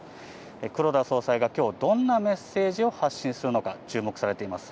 黒田総裁が今日どんなメッセージを発信するのか注目されています。